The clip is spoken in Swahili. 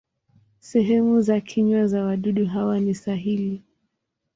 Sehemu za kinywa za wadudu hawa ni sahili.